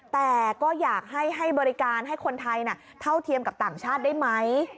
แต่ก็อยากให้ให้บริการให้คนไทยเท่าเทียมกับต่างชาติได้ไหม